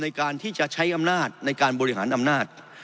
ในการที่จะใช้อำนาจในการบริหารอำนาจ